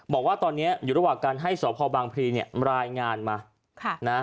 บอกว่าตอนนี้อยู่ระหว่างการให้สพบางพลีเนี่ยรายงานมา